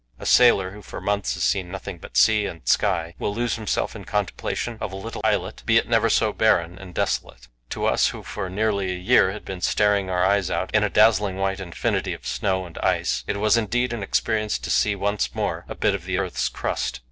A sailor, who for months has seen nothing but sea and sky, will lose himself in contemplation of a little islet, be it never so barren and desolate. To us, who for nearly a year had been staring our eyes out in a dazzling white infinity of snow and ice, it was indeed an experience to see once more a bit of the earth's crust.